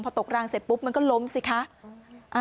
พอตกรางเสร็จปุ๊บมันก็ล้มสิคะ